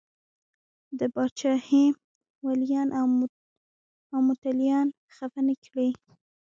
د پاچاهۍ ولیان او متولیان خفه نه کړي.